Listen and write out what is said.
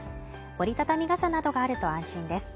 折りたたみ傘などがあると安心です。